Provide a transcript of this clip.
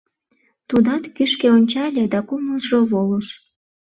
Тудат кӱшкӧ ончале, да кумылжо волыш.